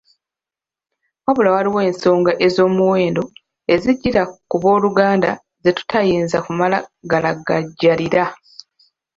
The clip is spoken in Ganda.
Wabula, waliwo ensonga ez’omuwendo ezijjira ku booluganda ze tutayinza kumala galagajjalira.